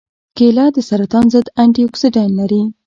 کېله د سرطان ضد انتياکسیدان لري.